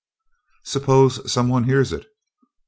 "Suppose some one hears it?"